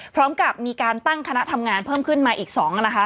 พร้อมกับมีการตั้งคณะทำงานเพิ่มขึ้นมาอีก๒นะคะ